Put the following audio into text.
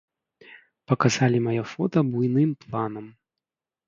Паказалі маё фота буйным планам.